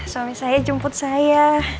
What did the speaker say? suami saya jemput saya